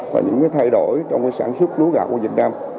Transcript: và những cái thay đổi trong cái sản xuất lúa gạo của việt nam